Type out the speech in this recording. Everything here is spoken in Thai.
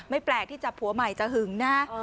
แปลกที่จับผัวใหม่จะหึงนะ